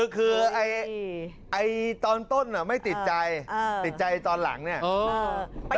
คือตอนต้นไม่ติดใจติดใจตอนหลังเนี่ย